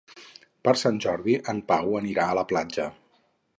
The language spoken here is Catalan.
Per Sant Jordi en Pau anirà a la platja.